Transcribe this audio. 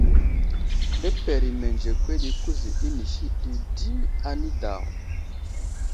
Liper i mənzekwed i kuza inisi ɗi di anidaw.